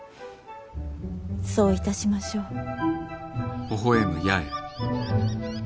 そういたしましょう。